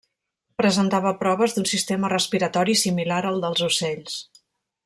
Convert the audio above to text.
Presentava proves d'un sistema respiratori similar al dels ocells.